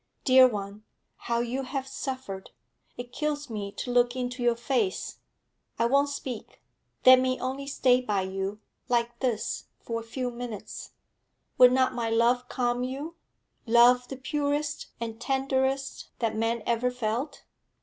'Dear one, how you have suffered! It kills me to look into your face. I won't speak; let me only stay by you, like this, for a few minutes. Will not my love calm you love the purest and tenderest that man ever felt?